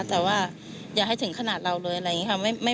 แต่ว่าอย่าให้ถึงขนาดเราเลยอะไรอย่างนี้ค่ะ